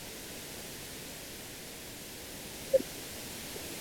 Recaló en Montevideo.